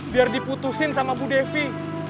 biar diputusin sama bu devi